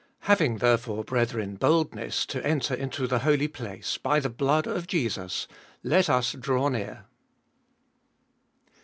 Having therefore, brethren, boldness to enter Into the Holy Place,1 by the blood of Jesus; 22. Let us draw near.